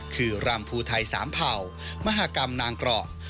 คือรำภูไทยสามเผ่ามหากรรมนางเกราะ